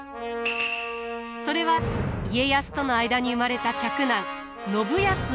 それは家康との間に生まれた嫡男信康を後見すること。